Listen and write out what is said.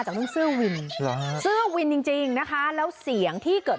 จากเรื่องเสื้อวินสิวินจริงจริงนะคะแล้วเสียงที่เกิด